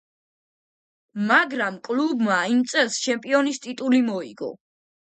მაგრამ კლუბმა იმ წელს ჩემპიონის ტიტული მოიგო.